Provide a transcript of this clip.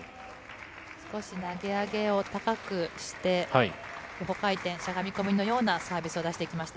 少し投げ上げを高くして、回転、しゃがみ込みのようなサービスを出していきました。